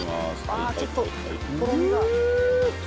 ああちょっととろみが。